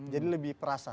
jadi lebih perasa